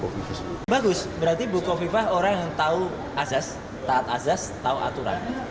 berarti ibu khofifah orang yang tahu azas taat azas tahu aturan